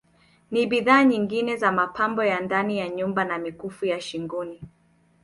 Na bidhaa nyingine za Mapambo ya ndani ya nyumba na mikufu ya Shingoni